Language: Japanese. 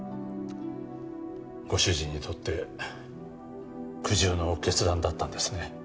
ご主人にとって苦渋の決断だったんですね。